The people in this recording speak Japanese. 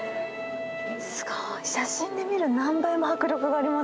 写真で見る何倍も迫力がありますね。